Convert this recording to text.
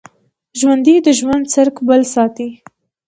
ژوندي د ژوند څرک بل ساتي